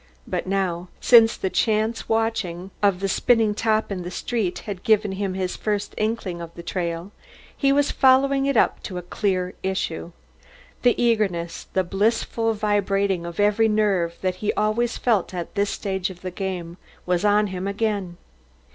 But now, since the chance watching of the spinning top in the street had given him his first inkling of the trail, he was following it up to a clear issue. The eagerness, the blissful vibrating of every nerve that he always felt at this stage of the game, was on him again.